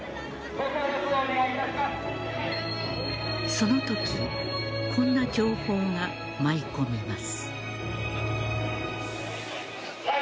そのときこんな情報が舞い込みます。